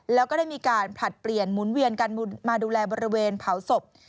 แล้วก็ได้มีการผลัดเปลี่ยนหมุนเวียนกันมาดูแลบริเวณเผาศพ